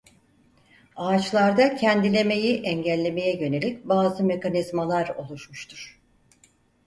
Ağaçlarda kendilemeyi engellemeye yönelik bazı mekanizmalar oluşmuştur.